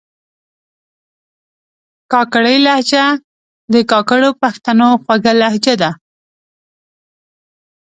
کاکړۍ لهجه د کاکړو پښتنو خوږه لهجه ده